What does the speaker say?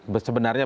terima kasih pak